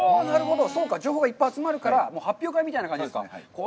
そうか、情報がいっぱい集まるから、発表会みたいな感じですか。